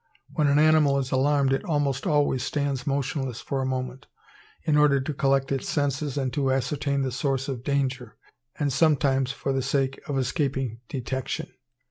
When an animal is alarmed it almost always stands motionless for a moment, in order to collect its senses and to ascertain the source of danger, and sometimes for the sake of escaping detection.